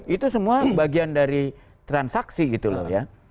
itu semua bagian dari transaksi gitu loh ya